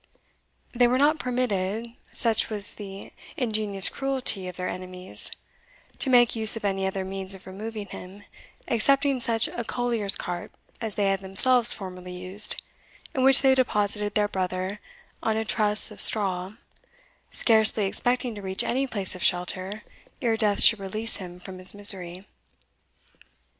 They were not permitted, such was the ingenious cruelty of their enemies, to make use of any other means of removing him, excepting such a collier's cart as they had themselves formerly used, in which they deposited their brother on a truss of straw, scarcely expecting to reach any place of shelter ere death should release him from his misery.